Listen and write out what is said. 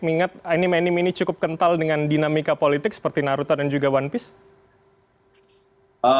mengingat anime anime ini cukup kental dengan dinamika politik seperti naruto dan juga one piece